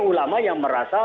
ulama yang merasa